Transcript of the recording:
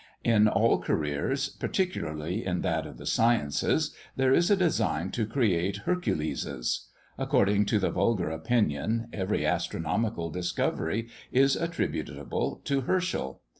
In all careers, particularly in that of the sciences, there is a design to create Herculeses. According to the vulgar opinion, every astronomical discovery is attributable to Herschel.